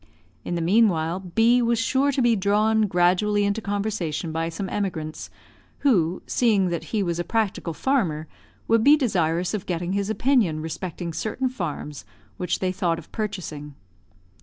In the meanwhile, B was sure to be drawn gradually into conversation by some emigrants, who, seeing that he was a practical farmer, would be desirous of getting his opinion respecting certain farms which they thought of purchasing.